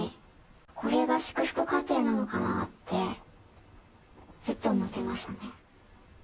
これが祝福家庭なのかなって、ずっと思ってましたね。